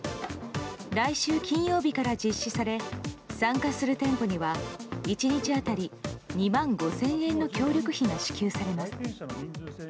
来週金曜日から実施され参加する店舗には１日当たり２万５０００円の協力費が支給されます。